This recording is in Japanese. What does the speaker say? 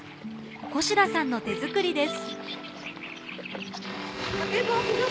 越田さんの手作りです。